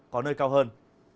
có nơi cao hơn